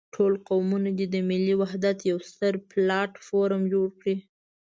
ټول قومونه دې د ملي وحدت يو ستر پلاټ فورم جوړ کړي.